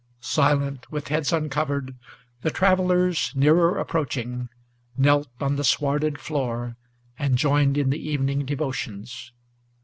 Silent, with heads uncovered, the travellers, nearer approaching, Knelt on the swarded floor, and joined in the evening devotions.